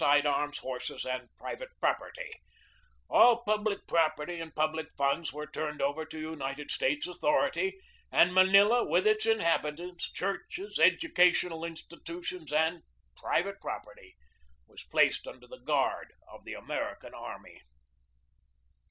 THE TAKING OF MANILA 281 side arms, horses, and private property; all public property and public funds were turned over to United States authority; and Manila, with its inhabitants, churches, educational institutions, and private prop erty, was placed under guard of the American army.